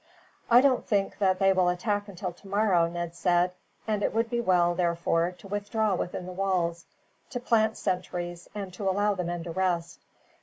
"I don't think that they will attack until tomorrow," Ned said, "and it would be well, therefore, to withdraw within the walls, to plant sentries, and to allow the men to rest.